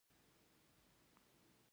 د کابل په چهار اسیاب کې د ګرانیټ نښې شته.